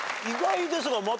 意外ですが。